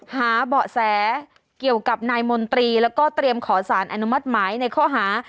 หาเบาะแสเกี่ยวกับนายมนตรีแล้วก็เตรียมขอสารอนุมัติหมายในข้อหา